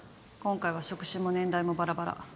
今回は職種も年代もバラバラ。